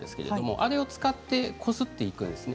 あれを使ってこすっていくんですね。